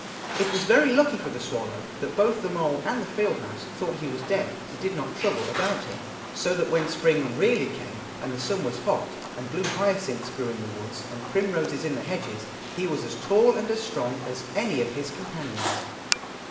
It was very lucky for the swallow that both the mole and the field mouse thought he was dead, and did not trouble about him, so that when the spring really came, and the sun was hot, and blue hyacinths grew in the woods and primroses in the hedges, he was as tall and strong as any of his companions.